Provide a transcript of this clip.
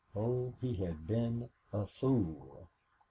Oh, he had been a fool.